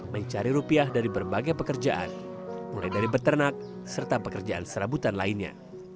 mencari rupiah dari berbagai pekerjaan mulai dari beternak serta pekerjaan serabutan lainnya